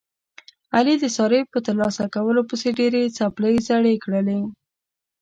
علي د سارې په ترلاسه کولو پسې ډېرې څپلۍ زړې کړلې.